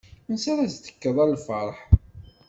Ansi ara as-d-tekkeḍ a lferḥ.